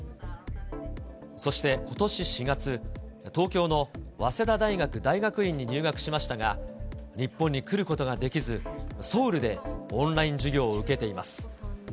そして、ことし４月、東京の早稲田大学大学院に入学しましたが、日本に来ることができず、ソウルでオンライン授業を受けています。